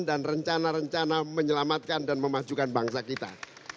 dan rencana rencana menyelamatkan dan memajukan bangsa kita